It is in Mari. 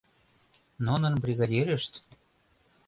— Нунын бригадирышт...